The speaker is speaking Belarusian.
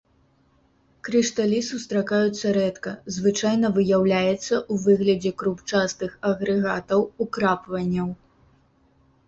Крышталі сустракаюцца рэдка, звычайна выяўляецца ў выглядзе крупчастых агрэгатаў, украпванняў.